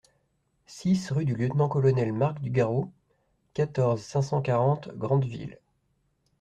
six rue du Lt Col Marc Dugarreau, quatorze, cinq cent quarante, Grentheville